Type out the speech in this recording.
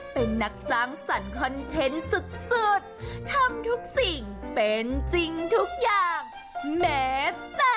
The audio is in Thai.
เป็นนักสร้างสรรค์คอนเทนต์สุดทำทุกสิ่งเป็นจริงทุกอย่างแม้แต่